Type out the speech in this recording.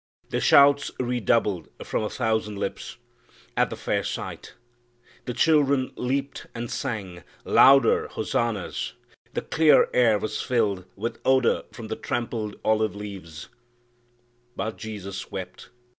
"The shouts redoubled from a thousand lips At the fair sight; the children leaped and sang Louder hosannas; the clear air was filled With odor from the trampled olive leaves But 'Jesus wept!'